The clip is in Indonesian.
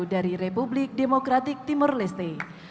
dari republik demokratik timur leste